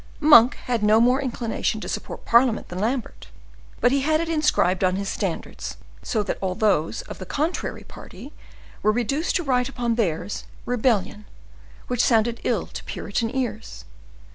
Monk had no more inclination to support parliament than Lambert, but he had it inscribed on his standards, so that all those of the contrary party were reduced to write upon theirs, "Rebellion," which sounded ill to puritan ears.